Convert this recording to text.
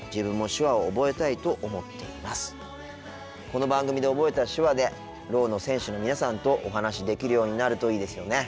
この番組で覚えた手話でろうの選手の皆さんとお話しできるようになるといいですよね。